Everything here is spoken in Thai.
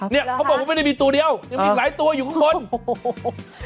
เนี่ยเขาบอกว่าไม่ได้มีตัวเดียวยังมีอีกหลายตัวอยู่ข้างบนโอ้โห